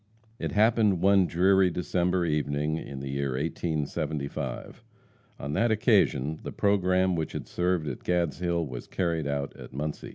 It happened one dreary December evening in the year 1875. On that occasion the programme which had served at Gadshill was carried out at Muncie.